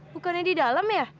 bukannya di dalam ya